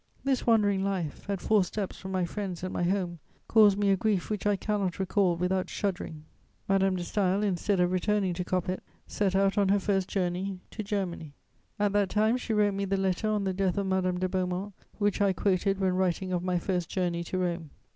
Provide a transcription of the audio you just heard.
This wandering life, at four steps from my friends and my home, caused me a grief which I cannot recall without shuddering." Madame de Staël, instead of returning to Coppet, set out on her first journey to Germany. At that time she wrote me the letter on the death of Madame de Beaumont which I quoted when writing of my first journey to Rome.